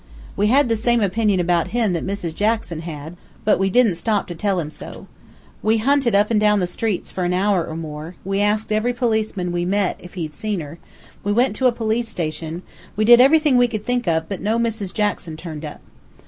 We had the same opinion about him that Mrs. Jackson had, but we didn't stop to tell him so. We hunted up an' down the streets for an hour or more; we asked every policeman we met if he'd seen her; we went to a police station; we did everything we could think of, but no Mrs. Jackson turned up.